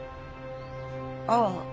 ああ。